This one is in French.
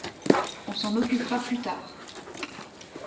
On s’en occupera plus tard.